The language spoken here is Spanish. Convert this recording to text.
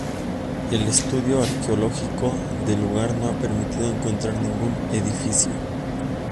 El estudio arqueológico del lugar no ha permitido encontrar ningún edificio.